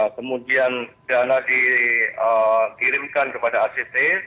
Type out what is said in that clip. kemudian dana dikirimkan kepada act